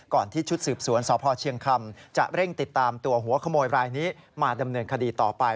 ที่ชุดสืบสวนสพเชียงคำจะเร่งติดตามตัวหัวขโมยรายนี้มาดำเนินคดีต่อไป